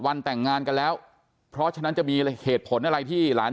วันแต่งงานกันแล้วเพราะฉะนั้นจะมีเหตุผลอะไรที่หลาน